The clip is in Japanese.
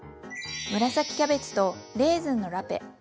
紫キャベツとレーズンのラペ。